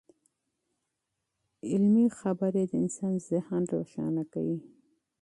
علمي بحثونه د انسان ذهن روښانه کوي.